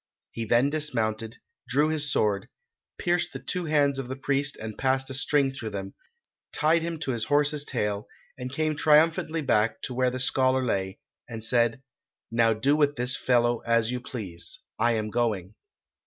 He then dismounted, drew his sword, pierced the two hands of the priest and passed a string through them, tied him to his horse's tail, and came triumphantly back to where the scholar lay, and said, 'Now do with this fellow as you please. I am going.'